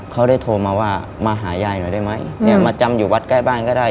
เขาได้โทรมาว่ามาหายายหน่อยได้ไหมเนี่ยมาจำอยู่วัดใกล้บ้านก็ได้